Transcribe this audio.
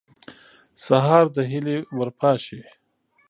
سهار د هیلې ور پاشي.